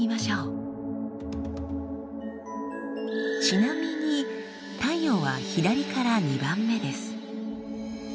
ちなみに太陽は左から２番目です。